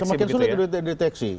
semakin sulit untuk dideteksi